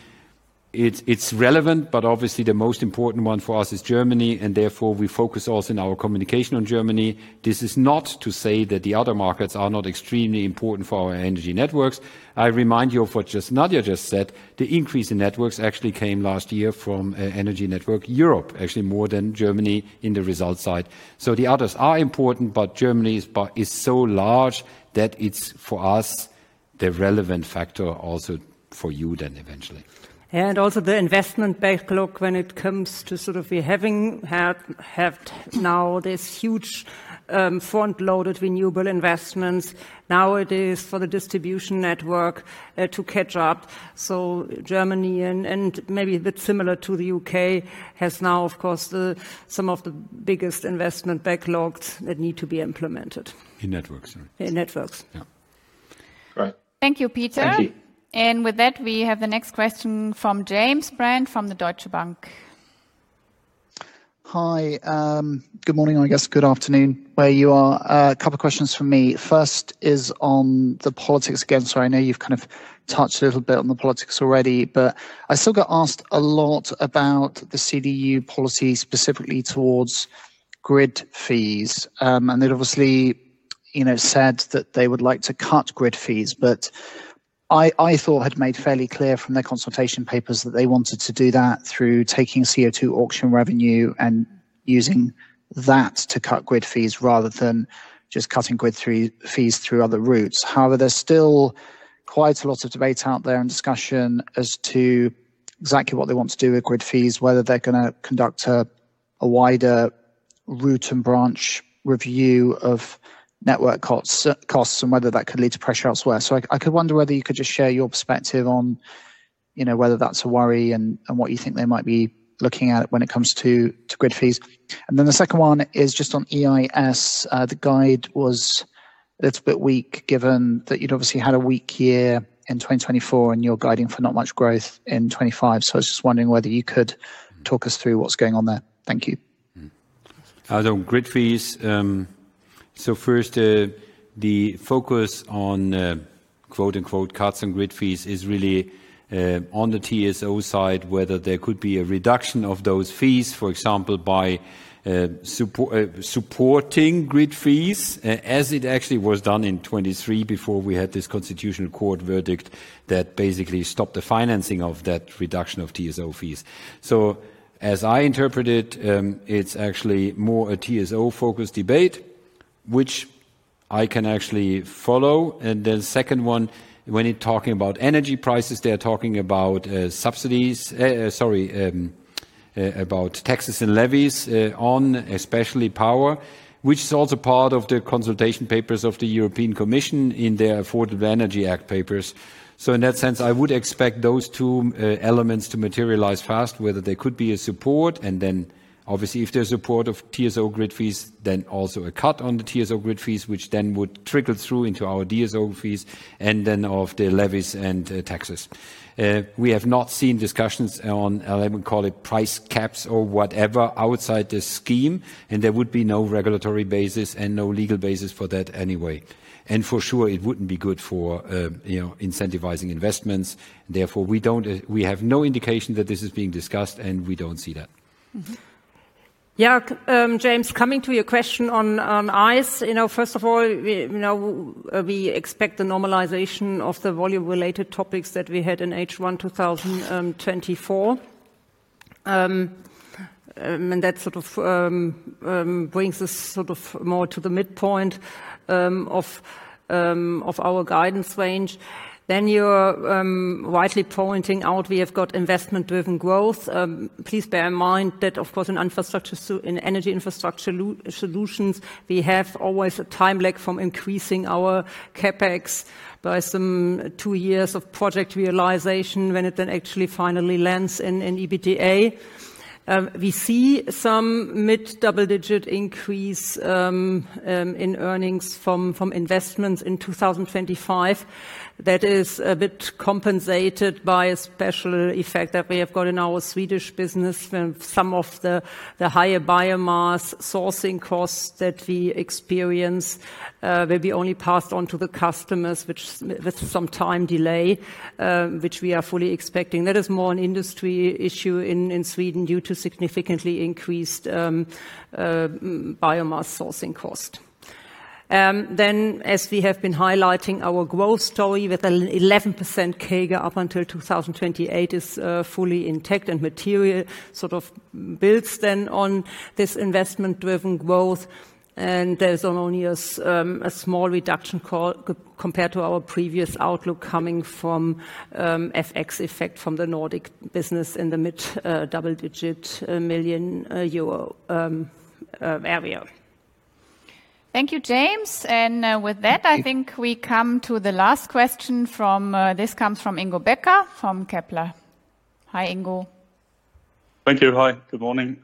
It's relevant, but obviously, the most important one for us is Germany. And therefore, we focus also in our communication on Germany. This is not to say that the other markets are not extremely important for our energy networks. I remind you of what Nadia just said. The increase in networks actually came last year from Energy Networks Europe, actually more than Germany in the result side. So the others are important, but Germany is so large that it's for us the relevant factor also for you then eventually. And also the investment backlog when it comes to sort of we haven't had now this huge front-loaded renewable investments. Now it is for the distribution network to catch up. So Germany, and maybe a bit similar to the U.K., has now, of course, some of the biggest investment backlogs that need to be implemented. In networks, sorry. In networks. Yeah. Great. Thank you, Peter. Thank you. And with that, we have the next question from James Brand from Deutsche Bank. Hi. Good morning, I guess. Good afternoon, wherever you are. A couple of questions for me. First is on the politics again. I know you've kind of touched a little bit on the politics already, but I still got asked a lot about the CDU policy specifically towards grid fees. They'd obviously said that they would like to cut grid fees, but I thought they had made fairly clear from their consultation papers that they wanted to do that through taking CO2 auction revenue and using that to cut grid fees rather than just cutting grid fees through other routes. However, there's still quite a lot of debate out there and discussion as to exactly what they want to do with grid fees, whether they're going to conduct a wider root and branch review of network costs and whether that could lead to pressure elsewhere. So I could wonder whether you could just share your perspective on whether that's a worry and what you think they might be looking at when it comes to grid fees. And then the second one is just on EIS. The guide was a little bit weak given that you'd obviously had a weak year in 2024 and you're guiding for not much growth in 2025. So I was just wondering whether you could talk us through what's going on there. Thank you. So grid fees. So first, the focus on "cuts on grid fees" is really on the TSO side, whether there could be a reduction of those fees, for example, by supporting grid fees as it actually was done in 2023 before we had this Constitutional Court verdict that basically stopped the financing of that reduction of TSO fees. As I interpret it, it's actually more a TSO-focused debate, which I can actually follow. Then the second one, when talking about energy prices, they're talking about taxes and levies on especially power, which is also part of the consultation papers of the European Commission in their Affordable Energy Act papers. In that sense, I would expect those two elements to materialize fast, whether there could be a support. Then obviously, if there's support of TSO grid fees, then also a cut on the TSO grid fees, which then would trickle through into our DSO fees and then of the levies and taxes. We have not seen discussions on, I would call it price caps or whatever outside the scheme, and there would be no regulatory basis and no legal basis for that anyway. For sure, it wouldn't be good for incentivizing investments. Therefore, we have no indication that this is being discussed, and we don't see that. Yeah. James, coming to your question on EIS, first of all, we expect the normalization of the volume-related topics that we had in H1 2024, and that sort of brings us sort of more to the midpoint of our guidance range, then you're rightly pointing out we have got investment-driven growth. Please bear in mind that, of course, in energy infrastructure solutions, we have always a time lag from increasing our CapEx by some two years of project realization when it then actually finally lands in EBITDA. We see some mid-double-digit increase in earnings from investments in 2025. That is a bit compensated by a special effect that we have got in our Swedish business. Some of the higher biomass sourcing costs that we experience may be only passed on to the customers with some time delay, which we are fully expecting. That is more an industry issue in Sweden due to significantly increased biomass sourcing cost. Then, as we have been highlighting, our growth story with an 11% CAGR up until 2028 is fully intact and material sort of builds then on this investment-driven growth. And there's only a small reduction compared to our previous outlook coming from FX effect from the Nordic business in the mid-double-digit million EUR area. Thank you, James. And with that, I think we come to the last question. This comes from Ingo Becker from Kepler. Hi, Ingo. Thank you. Hi. Good morning.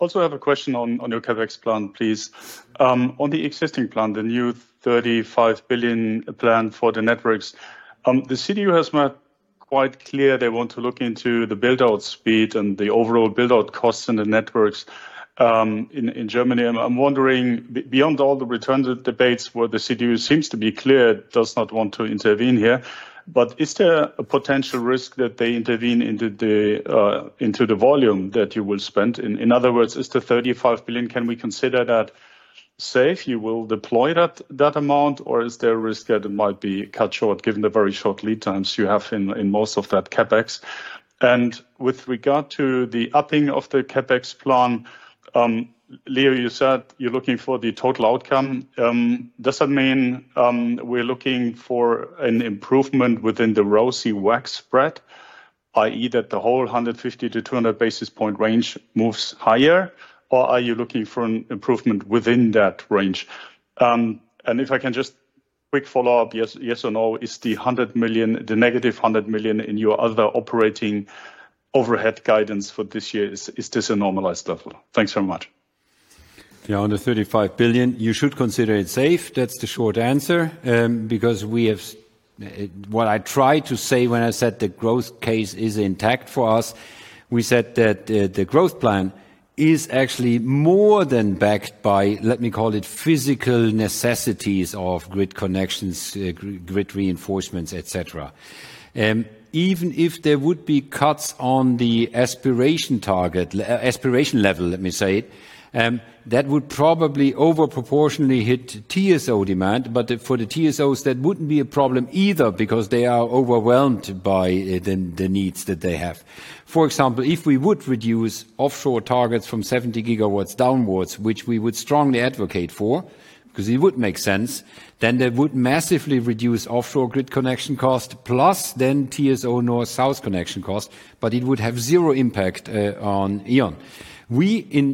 Also, I have a question on your CapEx plan, please. On the existing plan, the new 35 billion plan for the networks, the CDU has made quite clear they want to look into the build-out speed and the overall build-out costs in the networks in Germany. I'm wondering, beyond all the return debates where the CDU seems to be clear, does not want to intervene here, but is there a potential risk that they intervene into the volume that you will spend? In other words, is the 35 billion, can we consider that safe? You will deploy that amount, or is there a risk that it might be cut short given the very short lead times you have in most of that CapEx? With regard to the upping of the CapEx plan, Leo, you said you're looking for the total outcome. Does that mean we're looking for an improvement within the ROCE-WACC spread, i.e., that the whole 150-200 basis point range moves higher, or are you looking for an improvement within that range? And if I can just quick follow-up, yes or no, is the negative 100 million in your other operating overhead guidance for this year, is this a normalized level? Thanks very much. Yeah, under 35 billion, you should consider it safe. That's the short answer because what I tried to say when I said the growth case is intact for us, we said that the growth plan is actually more than backed by, let me call it, physical necessities of grid connections, grid reinforcements, etc. Even if there would be cuts on the aspiration target, aspiration level, let me say it, that would probably disproportionately hit TSO demand. But for the TSOs, that wouldn't be a problem either because they are overwhelmed by the needs that they have. For example, if we would reduce offshore targets from 70 GW downwards, which we would strongly advocate for because it would make sense, then they would massively reduce offshore grid connection cost, plus then TSO north-south connection cost, but it would have zero impact on E.ON.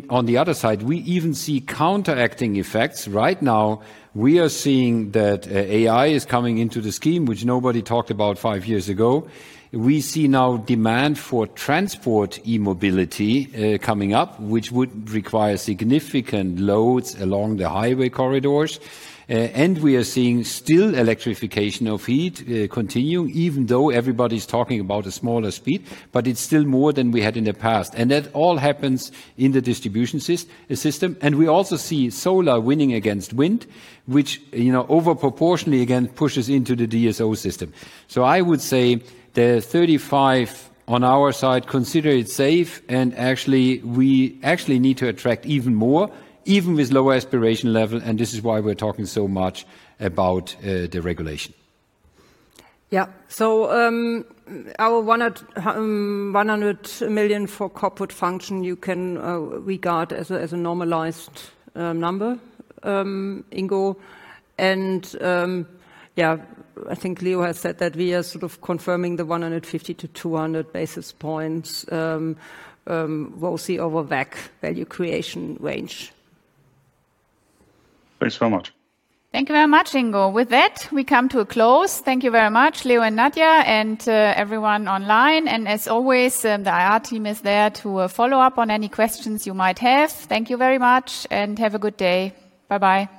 On the other side, we even see counteracting effects. Right now, we are seeing that AI is coming into the scheme, which nobody talked about five years ago. We see now demand for transport e-mobility coming up, which would require significant loads along the highway corridors. And we are seeing still electrification of heat continuing, even though everybody's talking about a smaller speed, but it's still more than we had in the past. And that all happens in the distribution system. We also see solar winning against wind, which overproportionately again pushes into the DSO system. So I would say the 35 on our side consider it safe, and actually, we need to attract even more, even with lower aspiration level, and this is why we're talking so much about the regulation. Yeah. So our 100 million for corporate function, you can regard as a normalized number, Ingo. And yeah, I think Leo has said that we are sort of confirming the 150-200 basis points ROCE over WACC value creation range. Thanks very much. Thank you very much, Ingo. With that, we come to a close. Thank you very much, Leo and Nadia and everyone online. And as always, the IR team is there to follow up on any questions you might have. Thank you very much and have a good day. Bye-bye.